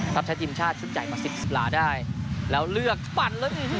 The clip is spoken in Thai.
พัดใช้ทีมชาติชุดใหญ่มาสิบสิบล้าได้แล้วเลือกปั่นเลย